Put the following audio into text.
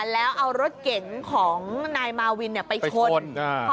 แล้วเอารถเก่งของนายมาวินไปชน